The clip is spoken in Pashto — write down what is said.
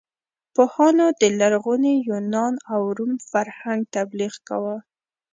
پوهانو د لرغوني یونان او روم فرهنګ تبلیغ کاوه.